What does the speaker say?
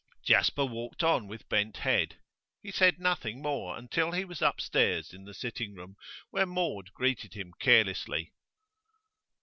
Jasper walked on with bent head. He said nothing more until he was upstairs in the sitting room, where Maud greeted him carelessly.